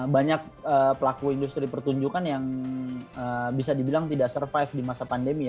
banyak pelaku industri pertunjukan yang bisa dibilang tidak survive di masa pandemi